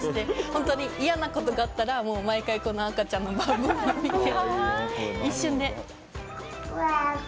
本当に嫌なことがあったら、毎回この赤ちゃんを見て。